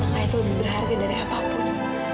nah itu lebih berharga dari apapun